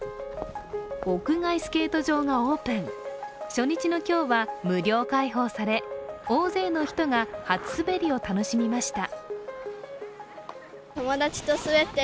屋外スケート場がオープン、初日の今日は無料開放され大勢の人が、初滑りを楽しみました。